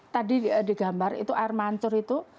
tadi digambar itu air mancur itu